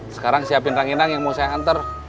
sekarang siapin ranginang yang mau saya hantar